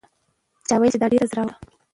چا وویل چې دا ډېره زړه وره ده.